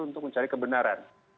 untuk mencari kebenaran